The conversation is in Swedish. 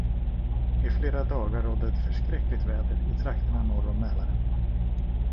I flera dagar rådde ett förskräckligt väder i trakterna norr om Mälaren.